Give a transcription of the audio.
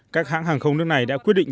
các hãng hàng không nước này đã quyết định